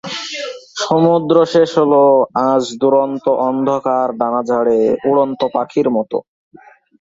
Portuguese শাসকদের viceroy উপাধিতে ডাকা হত।